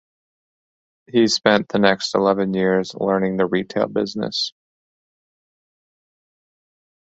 He spent the next eleven years learning the retail business.